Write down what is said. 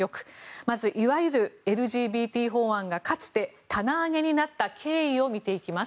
まず、いわゆるＬＧＢＴ法案がかつて棚上げになった経緯を見ていきます。